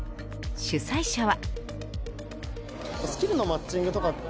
主催者は。